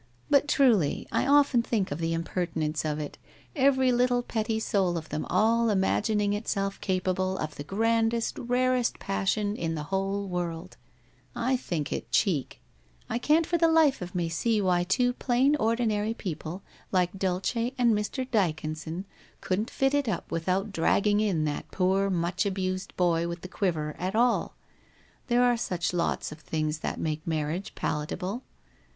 But truly, I often think of the impertinence of it, every little petty soul of them all imagining itself capable of the grandest, rarest passion in the whole world ! I think it cheek. And I can't for the life of me see why two plain ordinary people like Dulce and Mr. Dyconson couldn't fix it up without dragging in that poor much abused boy with the quiver at all. There are such lots of things that make marriage palatable.